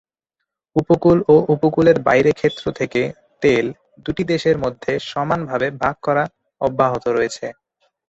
উপকূল এবং উপকূলের বাইরের ক্ষেত্র থেকে তেল দুটি দেশের মধ্যে সমানভাবে ভাগ করা অব্যাহত রয়েছে।